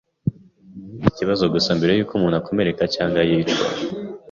Ni ikibazo gusa mbere yuko umuntu akomereka cyangwa yicwa.